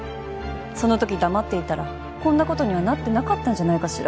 そのとき黙っていたらこんなことにはなってなかったんじゃないかしら？